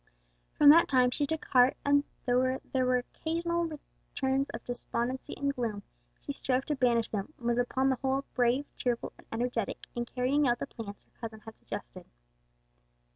From that time she took heart and though there were occasional returns of despondency and gloom she strove to banish them and was upon the whole, brave, cheerful and energetic in carrying out the plans her cousin had suggested.